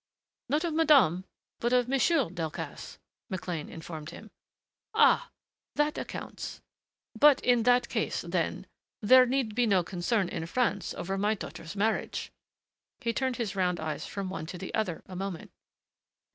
"Not of Madame but of Monsieur Delcassé," McLean informed him. "Ah!... That accounts ... But in that case, then, there need be no concern in France over my daughter's marriage...." He turned his round eyes from one to the other a moment.